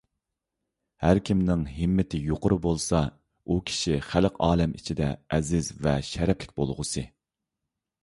ھەر كىمنىڭ ھىممىتى يۇقىرى بولسا، ئۇ كىشى خەلقى ئالەم ئىچىدە ئەزىز ۋە شەرەپلىك بولغۇسى.